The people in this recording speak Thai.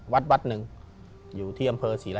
มันยืบ